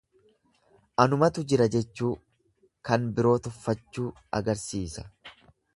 Anumatu jira jechuu, kan biroo tuffachuu agarsiisa.